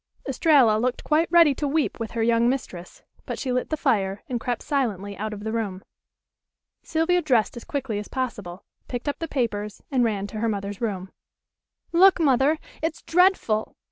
Estralla looked quite ready to weep with her young mistress, but she lit the fire, and crept silently out of the room. Sylvia dressed as quickly as possible, picked up the papers and ran to her mother's room. "Look, Mother! It's dreadful.